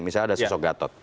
misalnya ada sosok gatot